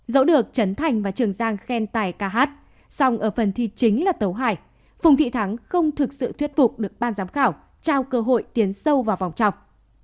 dẫu được chấn thành và trường giang khen tài ca hát song ở phần thi chính là tấu hải phùng thị thắng không thực sự thuyết phục được ban giám khảo trao cơ hội tiến sâu vào vòng chọc